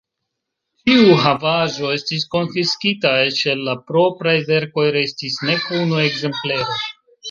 Ĉiu havaĵo estis konfiskita, eĉ el la propraj verkoj restis nek unu ekzemplero.